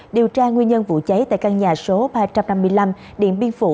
điều tra nguyên nhân vụ cháy tại căn nhà số ba trăm năm mươi năm điện biên phủ